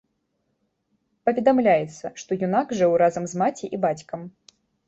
Паведамляецца, што юнак жыў разам з маці і бацькам.